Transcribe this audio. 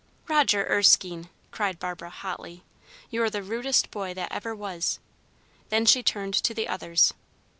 "Roger Erskine!" cried Barbara, hotly. "You're the rudest boy that ever was!" Then she turned to the others.